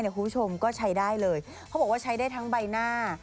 คุณผู้ชมก็ใช้ได้เลยเขาบอกว่าใช้ได้ทั้งใบหน้า